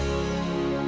dan lagi sejarah by